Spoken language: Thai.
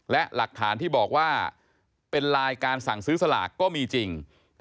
และหลักฐานที่บอกว่าเป็นไลน์การสั่งซื้อสลากก็มีจริง